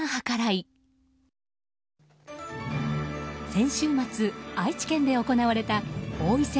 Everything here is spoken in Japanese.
先週末、愛知県で行われた王位戦